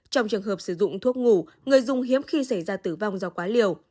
trong trường hợp sử dụng thuốc ngủ người dùng hiếm khi xảy ra tử vong do quá liều